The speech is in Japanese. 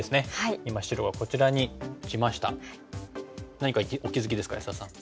何かお気付きですか安田さん。